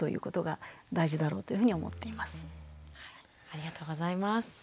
ありがとうございます。